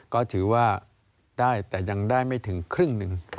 ก็ถือว่าได้แต่ยังได้ไม่ถึงครึ่งหนึ่ง